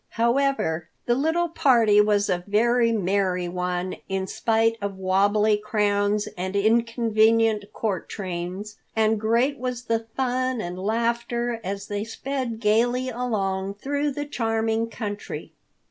However, the little party was a very merry one in spite of wabbly crowns and inconvenient court trains. And great was the fun and laughter as they sped gaily along through the charming country.